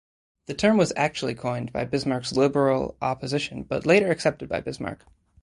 The term was actually coined by Bismarck's liberal opposition but later accepted by Bismarck.